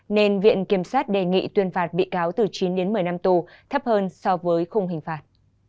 nên viện kiểm sát đề nghị tuyên phạt bị cáo từ chín đến một mươi năm tù thấp hơn so với khung hình phạt